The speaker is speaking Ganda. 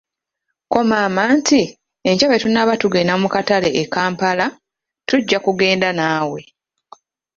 Ko maama nti, enkya bwe tunaaba tugenda mu katale e Kampala, tujja kugenda naawe .